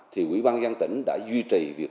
thì quỹ ban dân tỉnh đã duy trì